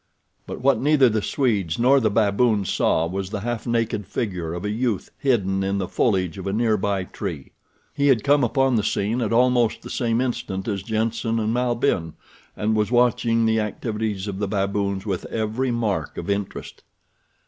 But what neither the Swedes nor the baboons saw was the half naked figure of a youth hidden in the foliage of a nearby tree. He had come upon the scene at almost the same instant as Jenssen and Malbihn, and was watching the activities of the baboons with every mark of interest.